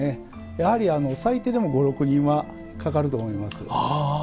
最低でも５６人はかかると思います。